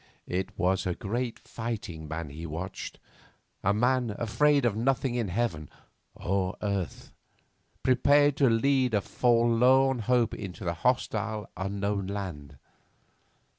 It was a great fighting man he watched, a man afraid of nothing in heaven or earth, prepared to lead a forlorn hope into a hostile unknown land.